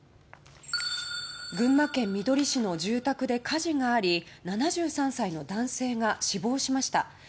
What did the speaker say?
群馬県みどり市の住宅で火事があり７３歳の男性が死亡しました。